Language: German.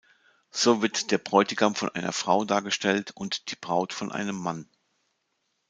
So wird der Bräutigam von einer Frau dargestellt und die Braut von einem Mann.